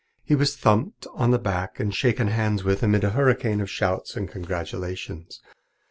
He was thumped on the back and shaken hands with amid a hurricane of shouts and congratulations.